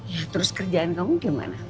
ya terus kerjaan kamu gimana